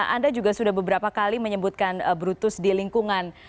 anda juga sudah beberapa kali menyebutkan brutus di lingkungan